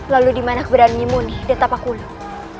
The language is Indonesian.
lalu di mana keberanian nyemuni dan tapakulung